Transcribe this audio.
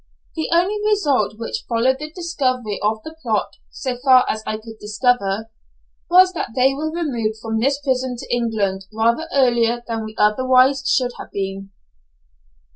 The only result which followed the discovery of the plot, so far as I could discover, was that we were removed from this prison to England rather earlier than we otherwise should have been.